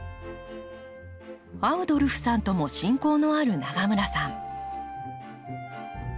アウドルフさんとも親交のある永村さん。